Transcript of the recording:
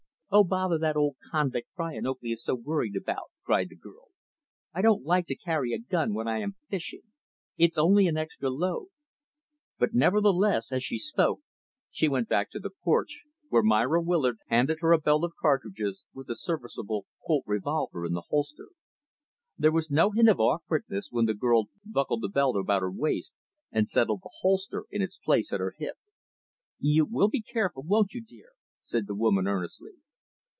"Oh, bother that old convict, Brian Oakley is so worried about," cried the girl. "I don't like to carry a gun when I am fishing. It's only an extra load." But, never the less, as she spoke, she went back to the porch; where Myra Willard handed her a belt of cartridges, with a serviceable Colt revolver in the holster. There was no hint of awkwardness when the girl buckled the belt about her waist and settled the holster in its place at her hip. "You will be careful, won't you, dear," said the woman, earnestly.